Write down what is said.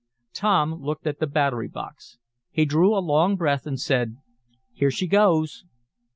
Tom looked at the battery box. He drew a long breath, and said: "Here she goes!"